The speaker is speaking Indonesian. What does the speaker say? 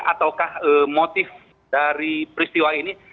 ataukah motif dari peristiwa ini